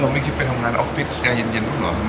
ไม่คิดไปทำงานออฟฟิศแกเย็นบ้างเหรอ